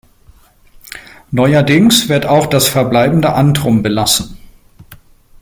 Neuerdings wird auch das verbleibende Antrum belassen.